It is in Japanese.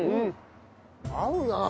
合うな。